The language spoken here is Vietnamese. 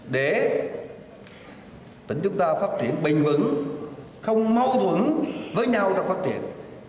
để tỉnh chúng ta phát triển bình vững không mâu thuẫn với nhau trong phát triển